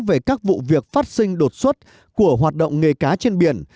về các vụ việc phát sinh đột xuất của hoạt động nghề cá trên biển